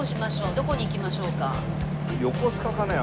どこに行きましょうか？